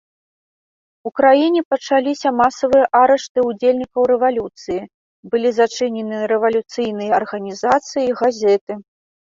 У краіне пачаліся масавыя арышты ўдзельнікаў рэвалюцыі, былі зачынены рэвалюцыйныя арганізацыі і газеты.